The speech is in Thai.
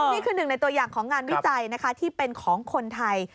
นี่คือหนึ่งในตัวอย่างของงานวิจัยนะคะที่เป็นของคนไทย